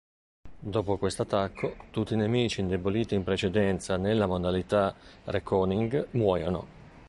Dopo questo attacco, tutti i nemici indeboliti in precedenza nella Modalità Reckoning muoiono.